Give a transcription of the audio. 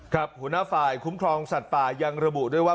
หัวหน้าฝ่ายคุ้มครองสัตว์ป่ายังระบุด้วยว่า